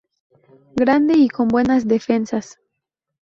Grande y con buenas defensas.